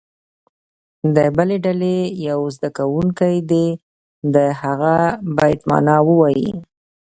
د بلې ډلې یو زده کوونکی دې د هغه بیت معنا ووایي.